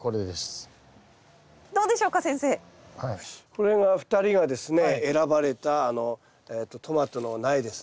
これが２人がですね選ばれたトマトの苗ですね。